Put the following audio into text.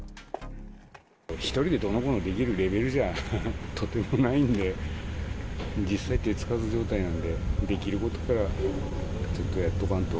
１人でどうのこうのできるレベルじゃ、とてもないんで、実際、手付かず状態なので、できることからちょっとやっとかんと。